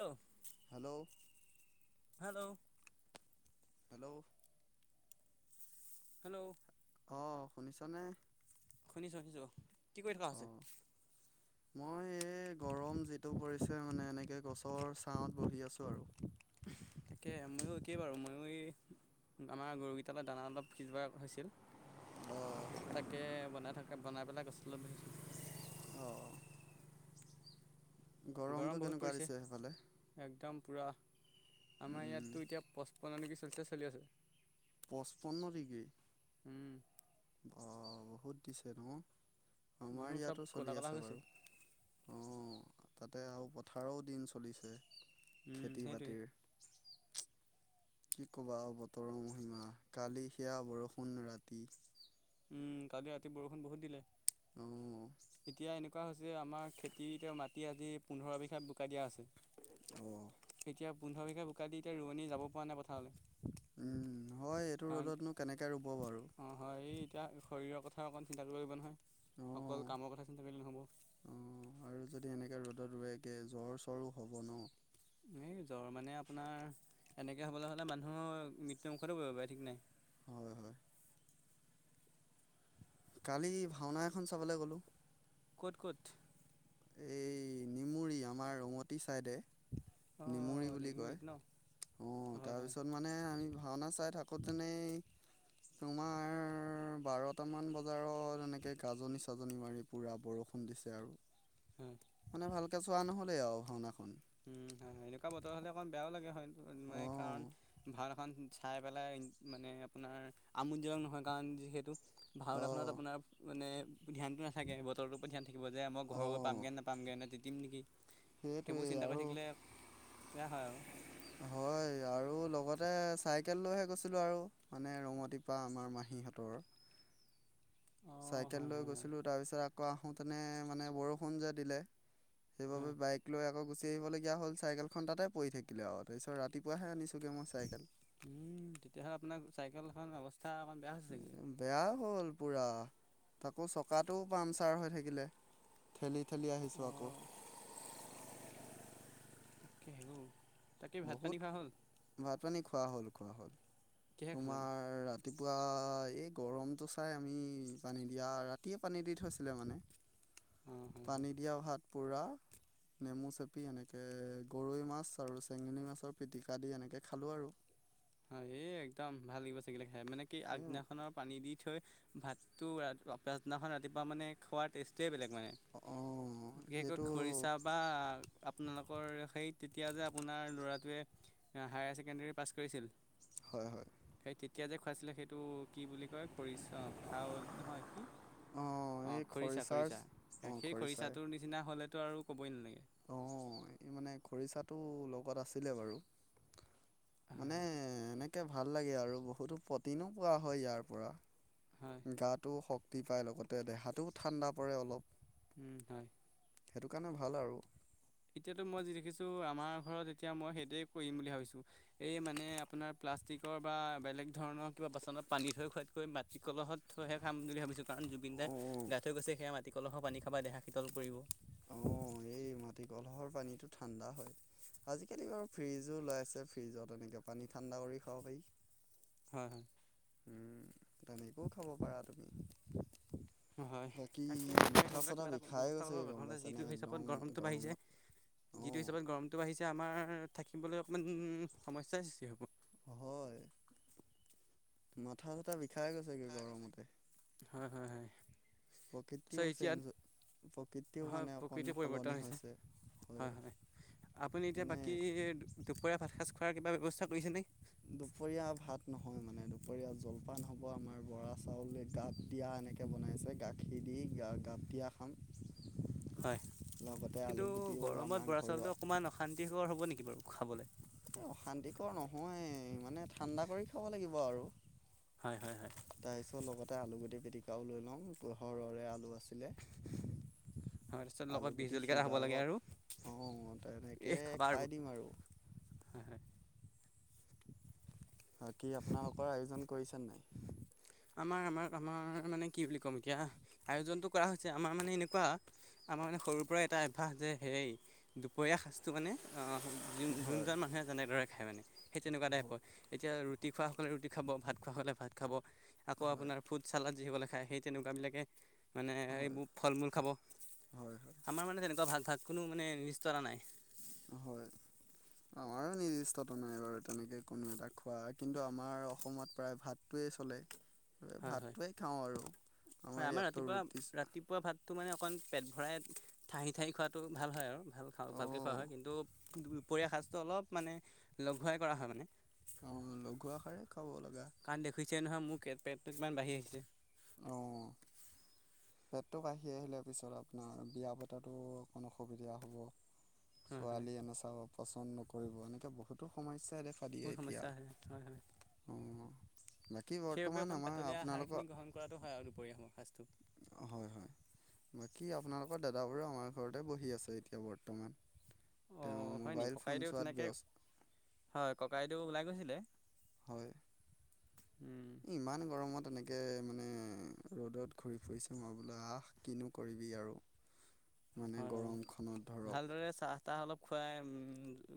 Hello hello hello. Hello. Hello. অ' শুনিছানে। শুনিছোঁ শুনিছোঁ, কি কৰি থকা হৈছে? অঁ মই এই গৰম যিটো পৰিছে মানে এনেকে গছৰ ছাঁত বহি আছোঁ আৰু। তাকে ময়ো একেই বাৰু ময়ো এই আমাৰ গৰুকেইটালৈ দানা অলপ সিজোৱা হৈছিল। অ'। তাকে বনাই থাকে বনাই পেলাই গছৰ তলত বহিছোঁ। অ' গৰমটো গৰম বহুত কেনেকুৱা পৰিছে, দিছে সেইফালে একদম পুৰা, আমাৰ উম ইয়াততো এতিয়া পঁচপন্ন ডিগ্ৰী চেলচিয়াচ চলি আছে। পঁচপন্ন ডিগ্ৰী। উম, অ' বহুত দিছে ন'। মানুহ আমাৰ চব ইয়াতো ক'লা চলি ক'লা হৈ আছে গৈছোঁ বাৰু, অ'। তাতে আৰু পথাৰো দিন চলিছে। উম, খেতি সেইটোৱে। বাতিৰ কি ক'বা আৰু বতৰৰ মহিমা কালি সেয়া বৰষুণ ৰাতি। উম, কালি ৰাতি বৰষুণ বহুত দিলে, অ' অ'। এতিয়া এনেকুৱা হৈছ যে আমাৰ খেতিতে মাটি আজি পোন্ধৰ বিঘা বোকাই দিয়া আছে। এতিয়া পোন্ধৰ বিঘা বোকা দি এতিয়া ৰোৱনী যাব পৰা নাই পথাৰলৈ, উম হয় এইটো কাৰণ ৰ'দতনো কেনেকৈ ৰুব বাৰু অ' হয় এই এতিয়া শৰীৰৰ কথা অকণ চিন্তা কৰিব লাগিব নহয়। অকল অ' কামৰ কথা চিন্তা কৰিলে নহ'ব। অ' আৰু যদি [unintelligible] জ্বৰ চৰো হ'ব ন'। এই জ্বৰ মানে আপোনাৰ, এনেকে হ'বলৈ হ'লে মানুহৰ মৃত্যু মুুখতো পৰিব পাৰে ঠিক নাই। হয় হয়। কালি ভাওনা এখন চাবলৈ গ'লোঁ। ক'ত ক'ত? এই নিমুৰি আমাৰ ৰঙতি চাইডে। নিমুৰি অঁ বুলি কয়, নিৰিংগুৰিত ন অ' হয় হয় তাৰপিছত মানে আমি ভাওনা চাই থাকোঁতেনেই তোমাৰ বাৰটা মান বজাৰত এনেকে গাজনি চাজনি মাৰি পুৰা বৰষু [unintelligible] দিছে আৰু। হম, মানে ভালকৈ চোৱা নহ'লে আৰু ভাওনাখন উম হয় হয় এনেকুৱা বতৰ হলে অকমান বেয়াও লাগে হয় মানে কাৰণ অ' ভাড এখন চাই পেলাই মানে আপোনাৰ আমোদজনক নহয় কাৰণ যিহেতু ভাওনাখনত অ' আপোনাৰ মানে ধানটো নাথাকে বতৰ পৰা ধান থাকিব যে মই ঘৰৰ পৰা পামগে নাপামগৈে তিম নেকি সেইবোৰ সেইটোৱয়ে চিন্তা কৰি থাকিলে বেয়া হয় আৰু হয় আৰু আৰু লগতে চাইকেল লৈহে গৈছিলোঁ আৰু মানে ৰঙতিীপা আমাৰ মাহীহঁতৰ অঁ চাইকেল হয় লৈ হয় হয় গৈছিলোঁ তাৰপিছত আকৌ আহোঁতেনে মানে বৰষুণ যে দিলে হা, সেইবাবে বাইক লৈ একক গুচি আহিবলগীয়া হ'ল চাইকেলখন তাতে পৰি থাকিলে আৰু তাৰপিছত ৰাতিপুৱাহে আনিছিলোঁগৈ মই চাইকেল উম তেতিয়াহ'লে আপোনাৰ চাইকেল এ অৱস্থা অকণ বেয়া হৈছে চাগিলে। বেয়া হ'ল পুৰা আাকৌ চকাটোও পামচাৰ হৈ থাকিলে ঠেলি ঠেলি আহিছোঁ আকৌ অ', তাকে হে বহুত ভাত পানী খোৱা হ'ল খোৱা হ'ল কিহে খালে বাৰু? তোমাৰ ৰাতিপুৱা এই গৰমটো চাই আমি পানী দিয়া ৰাতিয়ে পানী দি থৈছিলে মানে অ', হয়, হয়। পানী দিয়া ভাত পুোৰা নেমু চেপি এনেকে গৰৈ মাছ আৰু চেঙনী মাছৰ পিটিকা দি এনেকে খালোঁ আৰু হয়, এই একদম ভাল লাগিব চিগিলাক খাই মানে কি এই আগদিনাখনৰ পানী দি থৈ ভাত টো পিছ দিনাখন ৰাতিপুৱা মানে খোৱাৰ টেষ্টৈ বেলেগ। অঁ [inaudible] বিশেষকৈ সেইটো খৰিচা বা আপোনালোক কৰ সেই তেতিয়া যে আপোনাৰ ল'ৰাটোৱে হায়াৰ ছেকেণ্ডাৰী পাছ কৰিছিল। হয়, হয়। সেই তেতিয়া যে খুৱাইছিলে সেইটো কি বুলি কয় খৰিছা অ' খাৰলী নহয় কি? অঁ অ' এই খৰিচা খৰিচাৰ খৰিচা অঁ সেই খৰিচাটোৰ নিচিনা হলেতো আৰু কবই নালাগে। অ', [unintelligible] মানে খৰিচাটো লগত আছিলে বাৰু মানে হয় হয় এনেকে ভাল লাগে আৰু বহুতো প্ৰটিনো পোৱা হয় ইয়াৰ পৰা হয় গাটো শক্তি পায় লগতে দেহাটোও ঠাণ্ডা পৰে অলপ উম হয়। সেইটো কাৰণে ভাল আৰু। এতিয়াতো মই যি দেখিছো আমাৰ ঘৰত এতিয়া মই সেইটোৱে কৰিম বুলি ভাবিছো এই মানে আপোনাৰ। প্লাষ্টিকৰ বা বেলেগ ধৰণৰ কিবা বাচনত পানী থৈ খোৱাতকৈ মাটি কলহত থৈহে খাম বুলি ভাবিছোঁ। কাৰণ জুবিন দাই অঁ গাই থৈ গৈছে সেয়া মাটি কলহৰ পানী খাবা দেহা শীতল পৰিব। অ' এই। মাটি কলহৰ পানীটো ঠাণ্ডা হয়, আজিকালি বাৰু ফ্ৰিজো ওলাইছে ফ্ৰিজত এনেকে পানী। ঠাণ্ডা কৰি খাব পাৰি। হয়। তেনেকৈও খাব পাৰা তুমি। হয়, বাকী তাকে মাথা তেনেকুৱা চাথা কিবা এটা বিষাই ব্যৱস্থা কৰি গৈছেগে [unintelligible] গম নহলে যি। পাইছানে যিটো একদম হিচাপত গৰমটো বাঢ়িছে গৰমত অঁ। যিটো হিচাপত গৰমটো বাঢ়িছে আমাৰ। থাকিবলৈ অকণমান সমস্যাৰ সৃষ্টি হ'ব। মাথা-চাথা বিষাই গৈছে গে গৰমতে। হয় হয় হয় চ' প্ৰকৃতিও এতিয়া চেঞ্জ হৈ। প্ৰকৃতিও হয় মানে অকন প্ৰকৃতিৰ পৰিৱৰ্তন সলনি হৈছে, হয়। আপুনি এতিয়া মানে বাকী দুপৰীয়া ভাত সাজ খোৱাৰ কিবা ব্যৱস্থা কৰিছেনে। দুপৰীয়া ভাত নহয় মানে দুপৰীয়া জলপান হ'ব আমাৰ বৰা চাউলে গাপ দিয়া। তেনেকে বনাইছে গাখীৰ দি গা গাতিয়া খাম। হয় লগতে আলু কিন্তু গুটিও আমাৰ গৰমত বৰা ঘৰুৱা চাউলটো অকণমান অশান্তিকৰ হ'ব নেকি বাৰু খাবলৈ। এ অশান্তিকৰ নহয় মানে ঠাণ্ডা কৰি খাব লাগিব আৰু। হয়, হয়, হয়। তাৰ পিছত লগতে আলু গুটি পিটিকাও লৈ লওঁ [unintelligible] আলু আছে। তাৰপিছত [inaudible] লগত বিহ আলুগুটি জলকীয়া হ'ব সিজা লাগে আৰু [unintelligible] অ' তেনেকে এই খাবা খাই দিম আৰু। হয়, হয়। বাকি আপোনালোকৰ আয়োজন কৰিছেনে নাই? আমাৰ আমাৰ আমাৰ মানে কি বুলি ক'ম এতিয়া আয়োজনটো কৰা হৈছে আমাৰ মানে এনেকুৱা। আমাৰ মানে সৰুৰ পৰা এটা অভ্যাস যে সেই দুপৰীয়া সাঁজটো মানে অ' যো হয় যোনজন মানু। মানুহে যেনেদৰে খায় মানে সেই তেনেকুৱা টাইপৰ, এতিয়া ৰুটি খোৱাসকলে ৰুটি খাব ভাত খোৱাসকলে ভাত খাব। আকৌ হয় আপোনাৰ ফুড চালাড যিসকলে খায় সেই তেনেকুৱাবিলাকে। মানে হয় এইবোৰ ফল মূল খাব হয় আমাৰ মানে তেনেকুৱা ভাগ ভাগ কোনো মানে লিস্ত অৰা নাই আমাৰ নিৰ্দিষ্টতো নাই বাৰু তেনেকে কোনো এটা খোৱা কিন্তু আমাৰ অসমত প্ৰায় ভাত। টোয়ে চলে। হয়, হয়, ভাতটোৱেই খাওঁ আৰু হয় আমাৰ ইয়াততো ৰাতিপুৱা ৰুটি ৰাতিপুৱা ভাতটো মানে অকণ। পেট ভৰাই ঠাহি ঠাহি খোৱাটো ভাল হয় আৰু ভাল খাওঁ ভালকৈ খোৱা অঁ হয় কিন্তু দুপৰীয়া সাজটো অলপ মানে লঘুৱাই কৰা হয় মানে। অ', লঘু আহাৰে খাব লগা। কাৰণ দেখুাইছে নহয় মোৰ পেটটো কিমান বাঢ়ি আহিছে অ', পেটটো কাঢ়ি আহিলে পিছত আপোনাৰ বিয়া পতা অকণ অসুবিধা হ'ব হয় হয় ছোৱালী এনে চাব পচন্দ নকৰিব এনেকে বহুতো সমস্যা দে খালি বহুত এতিয়া সমস্যা আহে হয় হয় অ', বাকী সেইবাবে বৰ্তমান অকণ আমাৰ পাতলীয়া আপোনালোকৰ আহাৰখিনি গ্ৰহণ কৰাটো হয় আৰু দুপৰীয়া সমৰ সাজটৌ হয় হয় বাকী আপোনালোকৰ দাদাবোৰ আমাৰ ঘৰতে বহি আছে এতিয়া বৰ্তমান তেওঁ অ'ম হয় নিকি মোবাইল ফোন ককাইদেউ চোৱাত তেনেকৈ ব্যস্ত হয় ককাইদেউ ওলাই গৈছিলে হয়। ইমান গৰমত এনেকে মানে ৰ'দত ঘূৰি ফুৰিছে মই বোলে আহ কিনো কৰি কি‌ আৰু মানে হয় হয় গৰমখনত ধৰক ভালদৰে চাহ তাহ অলপ খুৱাই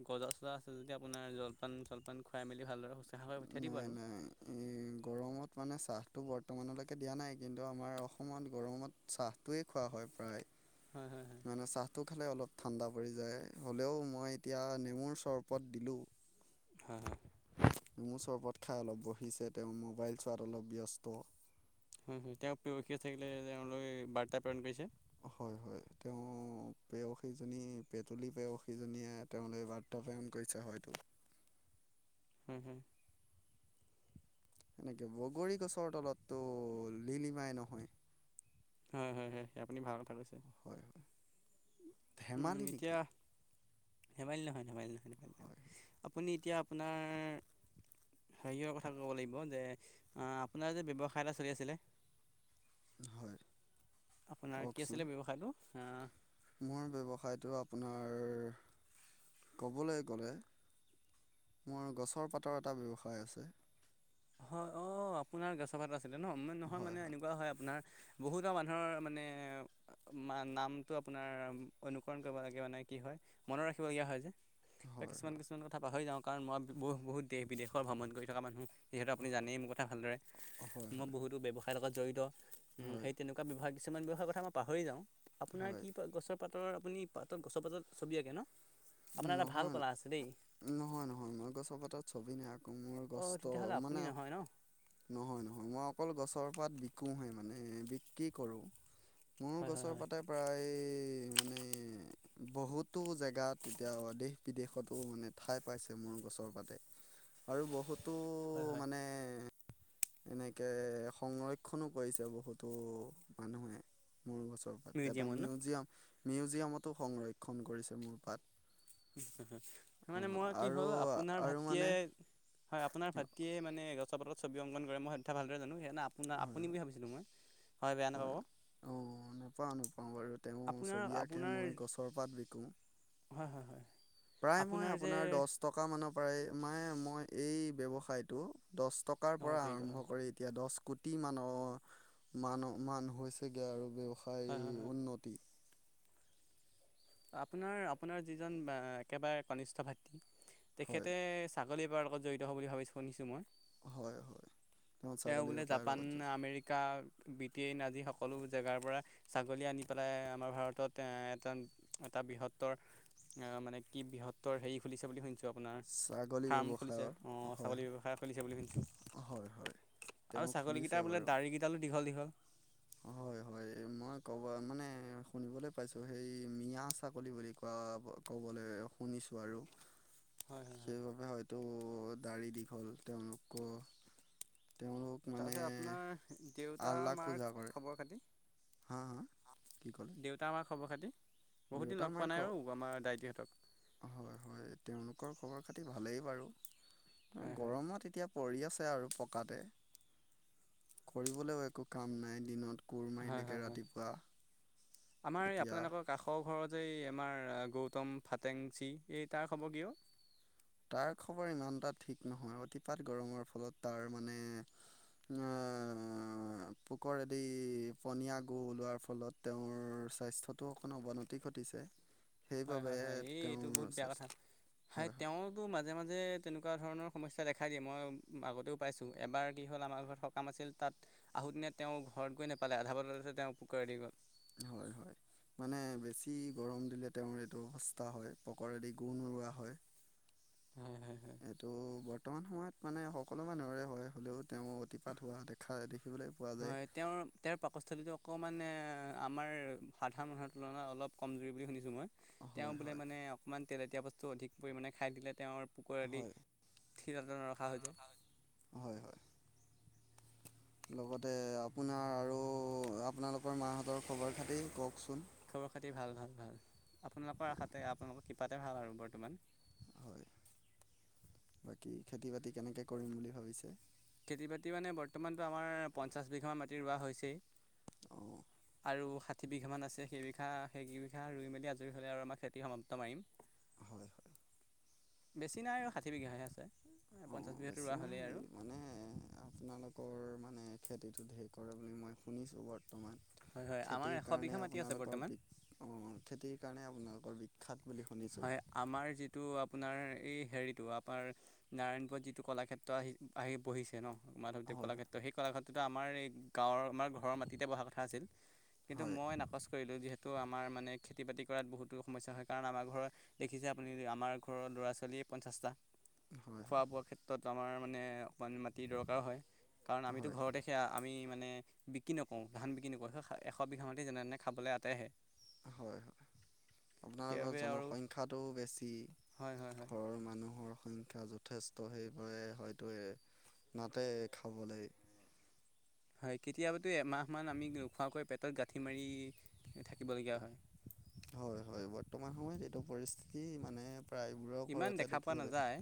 গজা চজা আছে যদি আপোনাৰ জলপান জলপান খুৱাই মেলি ভালদৰে শুশ্ৰূষা কৰি পঠিয়াই দিব নাই আৰু নাই এই গৰমত মানে চাহটো বৰ্তমানলৈকে দিয়া নাই কিন্তু আমাৰ অসমত গৰমত চাহটোৱেই খোৱা হয় প্ৰায় হয় হয় হয় মানে চাহটো খালে অলপ ঠাণ্ডা পৰি যায় হ'লেও মই এতিয়া নেমুৰ চৰবত দিলোঁ হ নেমু চৰবত খাই অলপ বহিছে তেওঁৰ মোবাইল চোৱাত অলপ ব্যস্ত হয় হয় তেওঁ প্ৰকিয় থাকিলে তেওঁলোকে বাৰ্তা প্ৰেৰণ কৰিৈছে হয় হয় তেওঁ পয়সীজনী পেতলী পেয়সীজনীয়ে তেওঁ বাৰ ন কৰিছা হয়তো হম হুম এেনেকে বগৰী গছৰ তলতটো লিলিমাই নহয় হয় হয় হয় আপুনি ভাল হয় হয় উম ধেমালি নেকি এতিয়া ধেমালি নহয় ধেমালি নহয় ধেমালি নহয় হয় আপুনি এতিয়া আপোনাৰ হেৰি হৰ কথা ক'ব লাগিব যে আপোনাৰ যে ব্যৱসায় এটা চলি আছিলে। হয়। আপোনাৰ কি কওকচোন আছিলে ব্যৱসায়টো অ'। মোৰ ব্যৱসায়টো আপোনাৰ ক'বলৈ গ'লে। মোৰ গছৰ পাতৰ এটা ব্যৱসায় আছে। হয় অ' আপোনাৰ গাছৰ পাতৰ আছিলে ন' নহয় মানে এনেকুৱা হয় আপোনাৰ বহুতো মানুহৰ মানে মা-নামটো আপোনাৰ অনুকৰণ কৰিব কি হয় মনত ৰাখিব লগীয়া হয় যে। বা হয় কিছুমান হয় কিছুমান কথা পাহৰি যাওঁ কাৰণ মই বহু বহুত দেশ বিদেশৰ ভ্ৰমণ কৰি থকা মানুহ। যিহেতু আপুনি জানেই মোৰ কথা ভালদৰে, হয় মই হয় বহুতো ব্যৱসায়ৰ লগত জড়িত উম, হয় সেই তেনেকুৱা ব্যৱসায় কিছুমান ব্যৱসায়ৰ কথা মই পাহৰি যাওঁ, আপোনাৰ হয় কি গছৰ পাতৰ আপুনি পাতত গছৰ পাতত ছবি আঁকে ন'। আপোনাৰ এটা ভাল নহয় কলা ন' আছে দেই নহয় নহয় মই গছৰ পাতত ছবি নাক [unintelligible] অঁ গষ্ট তেতিয়াহ'লে আপুনি মানে, নহয় ন নহয় নহয় মই অকল গছৰ পাত বিকোহে মানে বিক্ৰী কৰোঁ। মোৰ হয় হয় গছৰ হয় পাতে প্ৰায় মানে বহুতো জেগাত তেতিয়া দেশ বিদেশতো মানে ঠাই পাইছে মোৰ গছৰ পাতে, আৰু বহুত তো হয় হয় মানে এনেকে সংৰক্ষণো কৰিছে বহুতো মানুহে। মোৰ গছৰ পাত এটা মিউজিয়ামত ন মিউজিয়াম, মিউজিয়ামতো সংৰক্ষণ কৰিছে মোৰ পাত। অ মানে মই কি আৰু হ'ল আপোনাৰ আৰু ভাতৃয়ে মানে হয় আপোনাৰ ভাতৃয়ে মানে গছৰ পাতত ছবি অংকন কৰে মই সেই কথা ভালদৰে জানো সেয়া [unintelligible] আপোনা হয় আপুনি বুলি ভাবিছিলোঁ মই হয় বেয়া নাপাব। অ' নেপাওঁ নেপাওঁ বাৰু তেওঁ আপোনাৰ ছবি আঁকে আপোনাৰ মই গছৰ পাত বিকো। হয় হয় হয় প্ৰায় মই আপোনাৰ দহ টকা মানৰ পৰাই মানে মই এই ব্যৱসায়টো। দহ টকাৰ অ পৰা জড়িত হয় আৰম্ভ কৰি এতিয়া দহ কোটি মানৰ মান মান হৈছেগৈ আৰু হয় হয় ব্যৱসায় হয় উন্নতি। আপোনাৰ আপোনাৰ যিজন অ' একেবাৰে কনিষ্ঠ ভাতৃ হয় তেখেতে চা [unintelligible] জড়িত হোৱা বুলি ভাবিছোঁ শুনিছোঁ মই। হয় হয় তেওঁ ছাগলী বোলে বেপাৰৰ জাপান, লগত জড়িত আমেৰিকা বি [unintelligible] আজি সকলো জেগাৰ পৰা ছাগলী আনি পেলাই আমাৰ ভাৰতত এ এটা এটা বৃহত্তৰ অ' মানে কি বৃহত্তৰ হেৰি খুলিছে বুলি শুনিছোঁ। আপোনাৰ ছাগলী ফাৰ্ম খুলিছে ব্যৱসায়ৰ অ' হয় ছাগলী ব্যৱসায় খুলিছে বুলি শুনিছোঁ। হয় হয় আৰু তেওঁ খুলিছে ছাগলীকেইটাৰ বোলে বাৰু দাড়ি কেইডালো দীঘল দীঘল। হয় হয় [inaudible] মই ক'ব মানে শুনিবলৈ পাইছোঁ হেৰি মিয়া ছাগলী বুলি কোৱা ক'বলৈ এ শুনিছোঁ আৰু। হয় হয় হয় সেইবাবে হয়তো দাড়ি দীঘল তেওঁলোকৰ। তেওঁলোক মানে, তাৰপিছত আপোনাৰ দেউতা আল্লাক মাৰ পূজা কৰে। খবৰ খাতি হা হা, কি ক'লে? দেউতা মাৰ খবৰ খাতি। বহুত দিন দেউতা লগ পোৱা মায়ে ক, নাই আৰু আমাৰ দাইটিহঁতক হয় হয় তেওঁলোকৰ খবৰ খাটি ভালেই বাৰু, হয় হয় গৰমত এতিয়া পৰি আছে আৰু পকাতে, কৰিবলৈও একো কাম নাই দিনত। কোৰ হয় মাৰিলেগে হয় হয়, ৰাতিপুৱা আমাৰ এই এতিয়া আপোনালোকৰ কাষৰ ঘৰত যে এই আমাৰ গৌতম ফাটেংচি এই তাৰ খবৰ কিওঁ। তাৰ খবৰ ইমান এটা ঠিক নহয় অতিপাত গৰমৰ ফলত তাৰ মানে এ পোকৰেদি পনীয়া গু ওলোৱাৰ ফলত তেওঁৰ স্বাস্থ্যটো অকণ অৱনতি ঘটিছে। হয় সেইবাবে হয় হয় এই এইটো বহুত তেওঁৰ বেয়া কথা, স্বাস্থ্য হাই হয় হয় তেওঁতো মাজ মাজে মাজে তেনেকুৱা ধৰণৰ সমস্যা দেখাই দিয়ে মই আগতেও পাইছোঁ এবাৰ কি হ'ল আমাৰ ঘৰত সকাম আছিল তাত তাত আহো দিনে তেওঁ ঘৰত গৈ নেপালে আধা বজাততে তেওঁ পুোকৰি গ'ল হয় হয় মানে বেছি গৰম দিলে তেওঁৰ এইটো সস্তা হয় পকৰেদি গোণ ৰৱোৱা হয় হয় হয় হয় এইটো বৰ্তমান সময়ত মানে সকলো মানুহৰে হয় হ'লেও তেওঁ অতিপাত হোৱা দেখাদি হয় তেওঁৰ তেওঁৰ পাকস্থলীতো অকমান আমাৰ সাধাৰণ মানুহৰ তুলনাত অলপ কমজৰি বুলি শুনিছোঁ মই তেওঁ হয় বোলে হয় মানে অকণমান তেল এতীয়া বস্তু অধিক পৰিমাণে খাই দিলে তেওঁৰ পুোকুৰ আদি হয় থিলত নৰখা হৈ যায় হয় হয় লগতে আপোনাৰ আৰু আপোনালোকৰ মাহঁতৰ খবৰ খাতি কওকচোন খবৰ খাতি ভাল ভাল ভাল আপোনালোকৰ আশাতে আপোনালোকৰ কিবাতে ভাল আৰু বৰ্তমান হয় বাকী খেতি বাতি কেনেকে কৰিম বুলি ভাবিছে খেতি বাতি মানে বৰ্তমানটোো আমাৰ পঞ্চাছ বিঘাম মাটি ৰোৱা হৈছেই অঁ আৰু ষাঠি বিঘ মান আছে সেইবিঘা সেইবি বিঘা ৰুই মেলি আজৰি হ'লে আৰু আমাক খেতি সমাপ্ত মাৰিম হয় হয় বেছি নাই আৰু ষাঠি বিঘাহে আছে অ পঞ্চাছ বিঘাটো বেছি ৰোৱা হ'লেই নাই আৰু মানে আপোনালোকৰ মানে খেতিটো ধঢেৰ কৰে বুলি মই শুনিছোঁ বৰ বৰ্তমান হয় হয় আমাৰ খেতিৰ এশ কাৰণে বিঘা মাটি আছে আপোনালোকৰ বৰ্তমান অ খেতিৰ কাৰণে আপোনালোকৰ বিখ্যাত বুলি শুনিছোঁ হয় আমাৰ যিটো আপোনাৰ এই হেৰিটো আপোনাৰ নাৰায়ণপুৰত যিটো কলাক্ষেত্ৰ আহি আহি বহিছে ন মাধৱদেৱ হয় কলাক্ষেত্ৰ সেই কলাক্ষেত্ৰতো আমাৰ এই গাঁৱৰ আমাৰ ঘৰৰ মাটিতে বহা কথা আছিল কিন্তু হয় মই নাকচ কৰিলোঁ যিহেতু তো আমাৰ মানে খেতি বাতি কৰাত বহুতো সমস্যা হয় কাৰণ আমাৰ ঘৰৰ দেখিছে আপুনি আমাৰ ঘৰৰ ল'ৰা ছোৱালীয়ে পঞ্চাশটা হয় হয় খোৱা বোৱা ক্ষেত্ৰত আমাৰ মানে অকণমান মাটি দৰকাৰ হয় কাৰণ আমিতো হয় ঘৰতে সেয়া আমি মানে বিক্ৰী নকৰো ধান বিক্ৰী নকৰো এশ বিঘা মাটি যেনে তেনে খাবলৈ আঁটহে হয় হয় আপোনালোকৰ সেইবাবে আৰু জনসংখ্য্ খ্যাটো বেছি হয় হয় হয় ঘৰৰ মানুহ মানুহৰ সংখ্যা যথেষ্ট সেইবাবে হয়তো এ নাতে খাবলৈ [inaudible] হয় কেতিয়াবাতো এমাহমান আমি নোখোৱাকৈ পেটত গাঁঠি মাৰি থাকিবলগীয়া হয় হয় হয় বৰ্তমান সময়ত এইটো পৰিস্থিতি মানে প্ৰায়বোৰৰ ইমান ঘৰতে দেখা পোৱা দেখিবলৈ নাযায়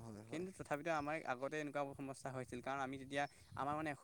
হয় হয় কিন্তু তথাপিতো আমাৰ আগত এনেকুৱাবোৰ সমস্যা হৈছিল কাৰণ আমি যেতিয়া আমাৰ মানে